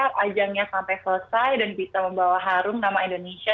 karena ajangnya sampai selesai dan bisa membawa harum nama indonesia